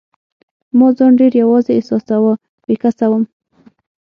ما ځان ډېر یوازي احساساوه، بې کسه وم.